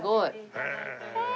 へえ。